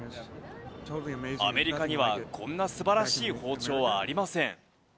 アメリカにはこんなすばらしい包丁はありません。